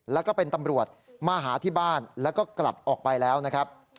แล้วก็เป็นตำรวจมาหาที่บ้านแล้วก็กลับออกไปแล้วนะครับ